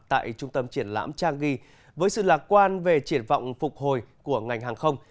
tại trung tâm triển lãm changi với sự lạc quan về triển vọng phục hồi của ngành hàng không